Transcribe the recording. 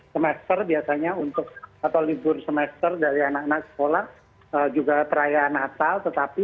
semester biasanya untuk atau libur semester dari anak anak sekolah juga perayaan natal tetapi